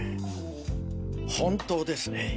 本当ですね。